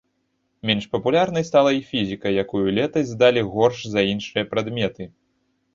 Менш папулярнай стала і фізіка, якую летась здалі горш за іншыя прадметы.